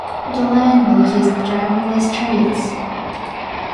The line will use driverless trains.